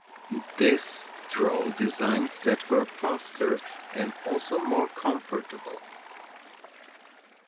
This drove designs that were faster and also more comfortable.